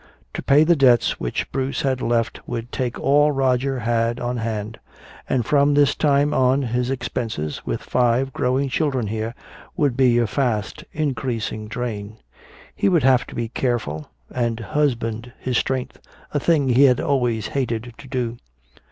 To pay the debts which Bruce had left would take all Roger had on hand; and from this time on his expenses, with five growing children here, would be a fast increasing drain. He would have to be careful and husband his strength, a thing he had always hated to do.